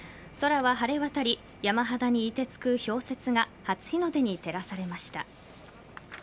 空は晴れ渡り山肌に凍てつく氷雪が初日の出に照らされました。